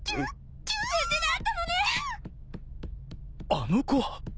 あの子は